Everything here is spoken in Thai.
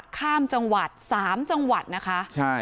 ข้ามจังหวัด๓จังหวัดนะคะใช่